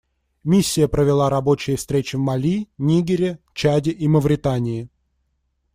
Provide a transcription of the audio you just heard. Миссия провела рабочие встречи в Мали, Нигере, Чаде и Мавритании.